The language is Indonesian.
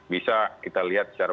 bisa kita lihat secara